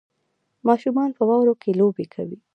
ماشومان په واورو کې لوبې کوي